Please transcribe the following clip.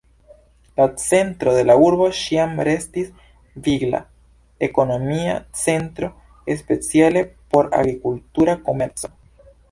La centro de la urbo ĉiam restis vigla ekonomia centro, speciale por agrikultura komerco.